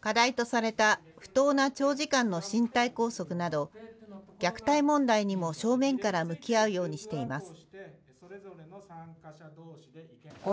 課題とされた不当な長時間の身体拘束など虐待問題にも正面から向き合うようにしています。